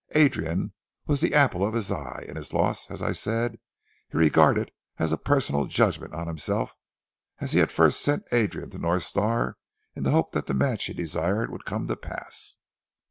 Adrian was the apple of his eye, and his loss, as I said, he regarded as a personal judgment on himself as he had first sent Adrian to North Star in the hope that the match he desired would come to pass."